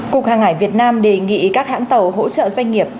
cục hàng hải việt nam đề nghị các hãng tàu hỗ trợ doanh nghiệp